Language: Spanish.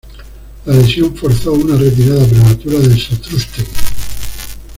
La lesión forzó una retirada prematura de Satrústegui.